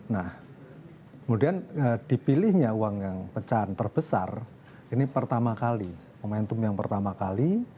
nah kemudian dipilihnya uang yang pecahan terbesar ini pertama kali momentum yang pertama kali